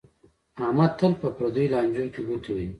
احمد تل په پردیو لانجو کې گوتې وهي